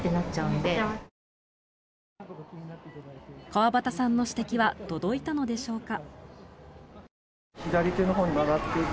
川端さんの指摘は届いたのでしょうか。